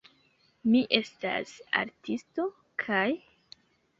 Mi estas artisto, kaj...